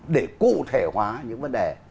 để cụ thể hóa những vấn đề